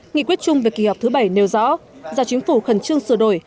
nghị quyết chung về kỳ họp thứ bảy nêu rõ do chính phủ khẩn trương sửa đổi